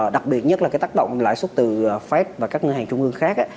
đặc biệt nhất là cái tác động lãi suất từ fed và các ngân hàng trung ương khác